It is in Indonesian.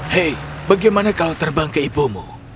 hei bagaimana kalau terbang ke ibumu